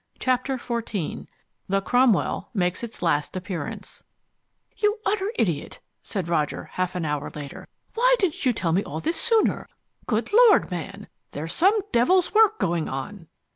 Chapter XIV The "Cromwell" Makes its Last Appearance "You utter idiot," said Roger, half an hour later. "Why didn't you tell me all this sooner? Good Lord, man, there's some devil's work going on!"